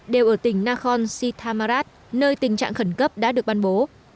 đều ở tỉnh nakhon sitamarat nơi tình trạng khẩn cấp đã được ban bố